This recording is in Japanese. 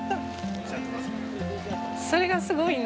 それがすごいな。